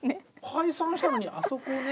解散したのにあそこね